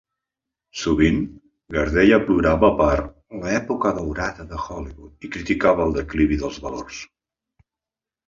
Sovint, Gardella plorava per "l'època daurada de Hollywood" i criticava el declivi dels valors.